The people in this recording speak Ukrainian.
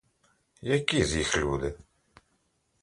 Які з їх люди?